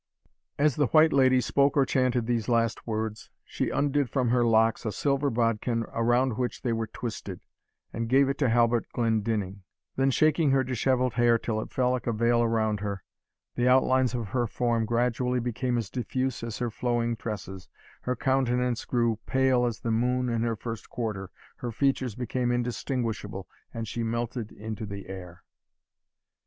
As the White Lady spoke or chanted these last words, she undid from her locks a silver bodkin around which they were twisted, and gave it to Halbert Glendinning; then shaking her dishevelled hair till it fell like a veil around her, the outlines of her form gradually became as diffuse as her flowing tresses, her countenance grew pale as the moon in her first quarter, her features became indistinguishable, and she melted into the air.